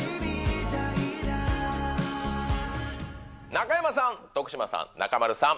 中山さん、徳島さん、中丸さん。